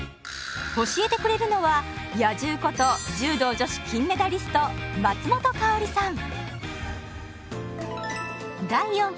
教えてくれるのは「野獣」こと柔道女子金メダリスト松本薫さん。